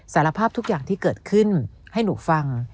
สารภาพทุกอย่างที่เกิดขึ้นให้หนูฟัง